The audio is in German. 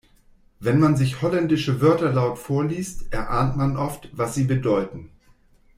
Wenn man sich holländische Wörter laut vorliest, erahnt man oft, was sie bedeuten.